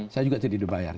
saya juga tidak dibayar